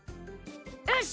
よし！